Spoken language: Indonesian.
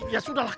ya sudah lah